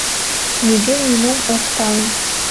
Нигӧ нимом ок пале.